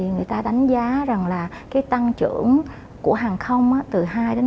người ta đánh giá rằng tăng trưởng của hàng không từ hai hai năm